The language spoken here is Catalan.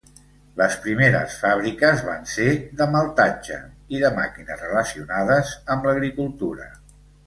Les primeres fàbriques van ser de maltatge i de màquines relacionades amb l'agricultura.